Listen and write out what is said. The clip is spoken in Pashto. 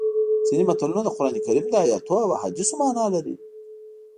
ځینې متلونه د قرانکریم د ایتونو او احادیثو مانا لري